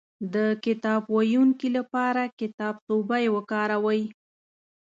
د کتاب ويونکي لپاره کتابڅوبی وکاروئ